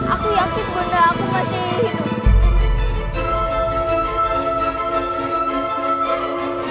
aku yakin bunda aku masih hidup